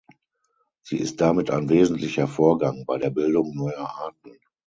Sie ist damit ein wesentlicher Vorgang bei der Bildung neuer Arten.